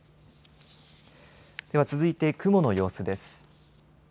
では続いて雲の様子です。